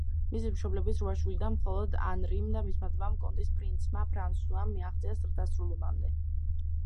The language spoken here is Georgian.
მისი მშობლების რვა შვილიდან მხოლოდ ანრიმ და მისმა ძმამ, კონტის პრინცმა ფრანსუამ მიაღწიეს ზრდასრულობამდე.